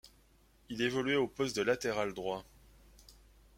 Il évoluait au poste de latéral droit.